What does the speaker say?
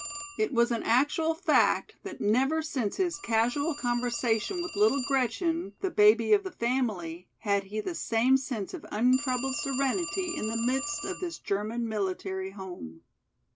It was an actual fact that never since his casual conversation with little Gretchen, the baby of the family, had he the same sense of untroubled serenity in the midst of this German military home.